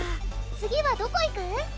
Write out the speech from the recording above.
次はどこ行く？